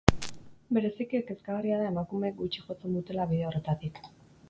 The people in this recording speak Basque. Bereziki kezkagarria da emakumeek gutxi jotzen dutela bide horretatik.